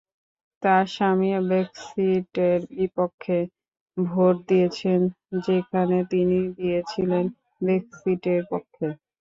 তাঁর স্বামী ব্রেক্সিটের বিপক্ষে ভোট দিয়েছেন, যেখানে তিনি দিয়েছিলেন ব্রেক্সিটের পক্ষে।